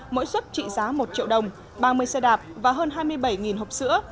mỗi xuất trị giá một triệu đồng ba mươi xe đạp và hơn hai mươi bảy hộp sữa